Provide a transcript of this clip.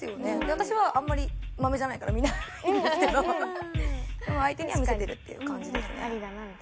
私はあんまりマメじゃないから見ないんですけどでも相手には見せてるっていう感じですね。